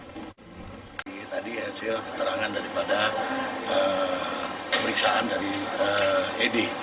tadi hasil keterangan daripada pemeriksaan dari ed